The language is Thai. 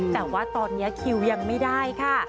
แต่ว่าตอนนี้คิวยังไม่ได้ค่ะ